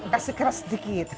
kasih keras sedikit